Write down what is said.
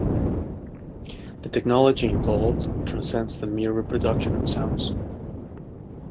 The technology involved transcends the mere reproduction of sounds.